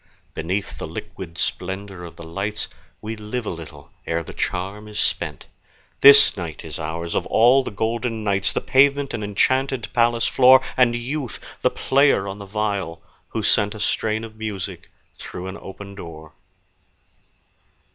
Beneath the liquid splendor of the lights We live a little ere the charm is spent; This night is ours, of all the golden nights, The pavement an enchanted palace floor, And Youth the player on the viol, who sent A strain of music through an open door.